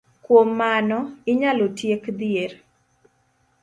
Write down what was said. Kuom mano, inyalo tiek dhier